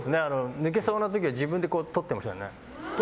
抜けそうな時は自分でとっていましたね。